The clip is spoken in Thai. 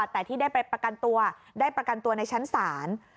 แต่ที่ได้ไปประกันตัวได้ประกันตัวในชั้นศาล